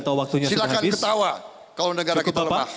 silahkan ketawa kalau negara kita lemah